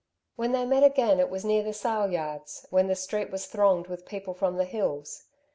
When they met again it was near the sale yards, when the street was thronged with people from the hills.